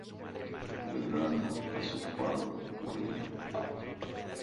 Belgrano, Azopardo, Moreno, Av.